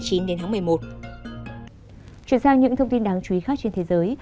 chuyển sang những thông tin đáng chú ý khác trên thế giới